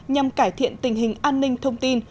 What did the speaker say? nhằm cải thiện tình hình an ninh thông tin